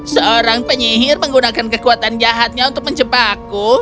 seorang penyihir menggunakan kekuatan jahatnya untuk menjebakku